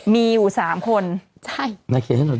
มีอยู่๓คน